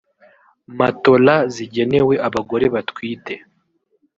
matola zigenewe abagore batwite